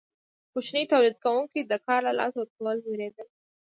کوچني تولید کوونکي د کار له لاسه ورکولو ویریدل.